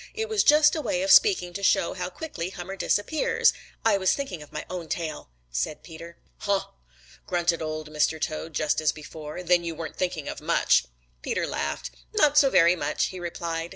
It was just a way of speaking to show how quickly Hummer disappears. I was thinking of my own tail," said Peter. "Huh!" grunted Old Mr. Toad just as before. "Then you weren't thinking of much." Peter laughed. "Not so very much," he replied.